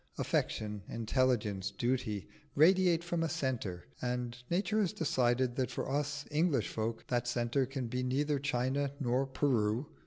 Affection, intelligence, duty, radiate from a centre, and nature has decided that for us English folk that centre can be neither China nor Peru.